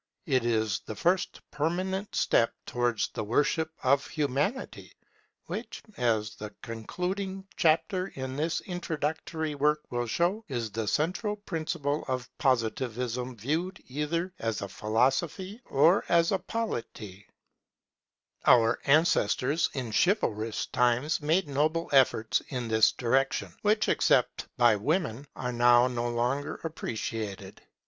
It is the first permanent step towards the worship of Humanity; which, as the concluding chapter of this introductory work will show, is the central principle of Positivism, viewed either as a Philosophy or as a Polity. [Development of mediaeval chivalry] Our ancestors in chivalrous times made noble efforts in this direction, which, except by women, are now no longer appreciated.